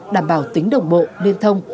đảm bảo tính đồng bộ liên thông